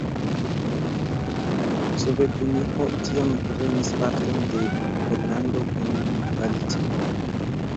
Sovetunio tiam prenis parton de Pollando kun Baltio.